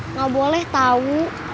nggak boleh tahu